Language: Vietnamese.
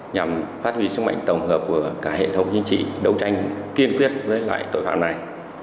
nhằm phát huy sức mạnh tổng hợp của cả hệ thống chính trị đấu tranh kiên quyết với loại tội phạm này